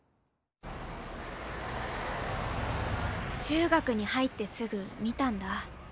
中学に入ってすぐ見たんだ。